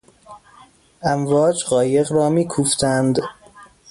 امواج قایق را میکوفتند.